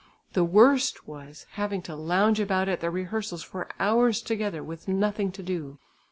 The worst was, having to lounge about at the rehearsals for hours together with nothing to do.